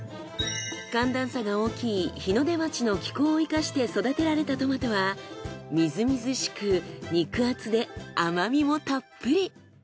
寒暖差が大きい日の出町の気候を生かして育てられたトマトはみずみずしく肉厚で甘みもたっぷり。